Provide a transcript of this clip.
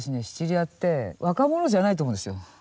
シチリアって若者じゃないと思うんですよ。